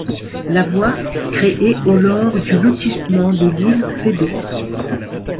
La voie, créée au lors du lotissement de l'île Feydeau.